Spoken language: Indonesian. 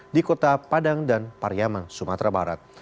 di kota padang dan pariaman sumatera barat